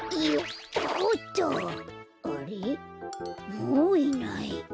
もういない。